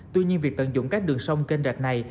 tuy nhiên việc tận dụng các đường sông kênh rạch này